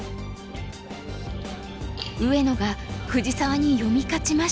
上野が藤沢に読み勝ちました。